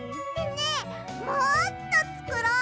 ねえもっとつくろう！